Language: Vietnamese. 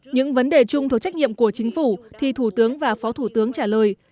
những vấn đề chung thuộc trách nhiệm của chính phủ thì thủ tướng và phó thủ tướng trả lời